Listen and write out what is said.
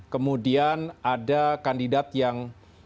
kemudian ada kandidat yang